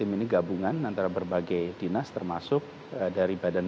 tim ini gabungan antara berbagai dinas termasuk dari badan